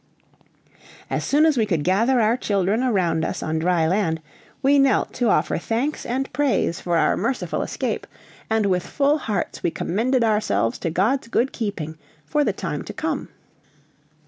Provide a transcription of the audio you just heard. As soon as we could gather our children around us on dry land, we knelt to offer thanks and praise for our merciful escape, and with full hearts we commended ourselves to God's good keeping for the time to come.